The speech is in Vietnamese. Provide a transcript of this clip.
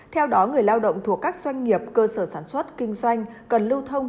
theo đó người lao động thuộc các doanh nghiệp cơ sở sản xuất kinh doanh cần lưu thông